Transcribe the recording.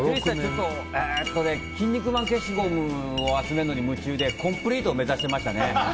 筋肉マン消しゴムを集めるのに夢中でコンプリートを目指していましたね。